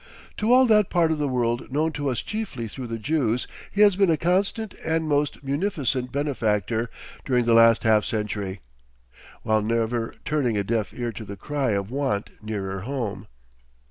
To all that part of the world known to us chiefly through the Jews he has been a constant and most munificent benefactor during the last half century, while never turning a deaf ear to the cry of want nearer home.